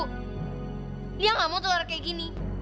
liah gak mau keluar kayak gini